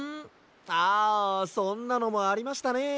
ああそんなのもありましたね。